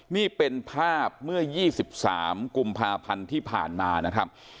นี่เป็นภาพเมื่อ๒๓กุมภาพันธ์ที่ผ่านมานะครับ